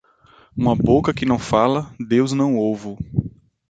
Uma boca que não fala, Deus não ovo.